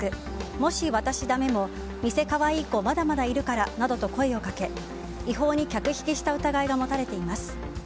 もし私ダメも店、可愛い子まだまだいるからなどと声をかけ違法に客引きした疑いが持たれています。